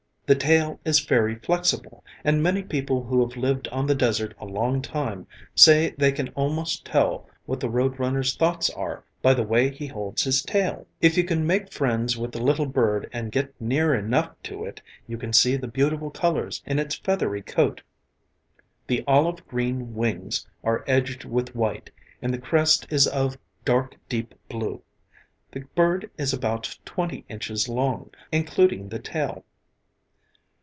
The tail is very flexible, and many people who have lived on the desert a long time, say they can almost tell what the road runner's thoughts are by the way he holds his tail. If you can make friends with the little bird and get near enough to it you can see the beautiful colors in its feathery coat. The olive green wings are edged with white, and the crest is of dark, deep blue. The bird is about twenty inches long, including the tail.